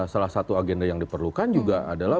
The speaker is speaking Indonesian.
salah satu agenda yang diperlukan juga adalah